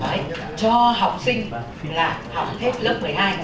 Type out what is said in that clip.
hãy cho học sinh là học hết lớp một mươi hai